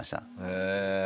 へえ！